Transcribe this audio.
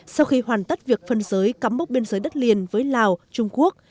sau khi hoàn tất việc phân giới cắm mốc biên giới đất liền với lào trung quốc